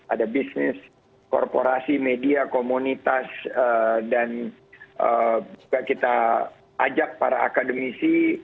ada bisnis korporasi media komunitas dan juga kita ajak para akademisi